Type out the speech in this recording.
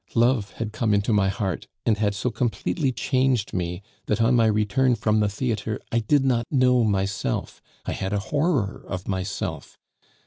Love had come into my heart, and had so completely changed me, that on my return from the theatre I did not know myself: I had a horror of myself.